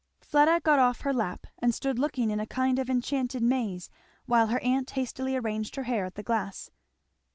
Fleda got off her lap, and stood looking in a kind of enchanted maze, while her aunt hastily arranged her hair at the glass.